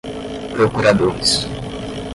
procuradores